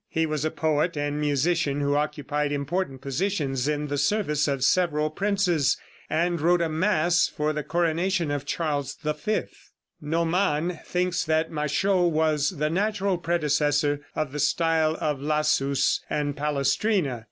He was a poet and musician who occupied important positions in the service of several princes, and wrote a mass for the coronation of Charles V. Naumann thinks that Machaut was the natural predecessor of the style of Lassus and Palestrina.